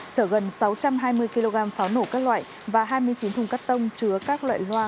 chở gần sáu trăm hai mươi kg pháo nổ các loại và hai mươi chín thùng cắt tông chứa các loại loa